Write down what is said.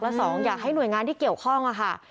และสองอยากให้หน่วยงานที่เกี่ยวข้องค่ะ